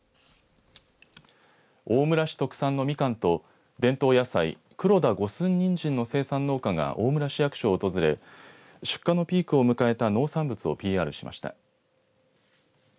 大村市特産のみかんと伝統野菜、黒田五寸人参の生産農家が大村市役所を訪れ出荷のピークを迎えた農産物をＰＲしました。